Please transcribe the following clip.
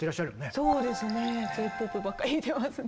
そうですねＪ−ＰＯＰばっか弾いてますね。